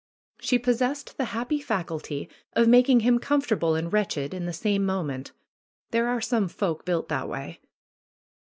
She possessed the happy faculty of making him comfortable and wretched in the same moment. There are some folk built that way.